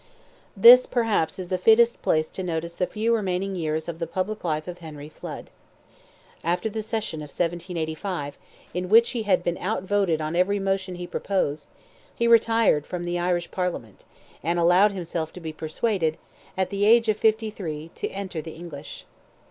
This, perhaps, is the fittest place to notice the few remaining years of the public life of Henry Flood. After the session of 1785, in which he had been outvoted on every motion he proposed, he retired from the Irish Parliament, and allowed himself to be persuaded, at the age of fifty three, to enter the English.